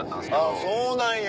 あっそうなんや。